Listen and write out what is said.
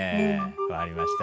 分かりました。